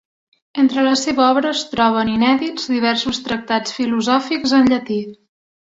Entre la seva obra es troben, inèdits, diversos tractats filosòfics en llatí.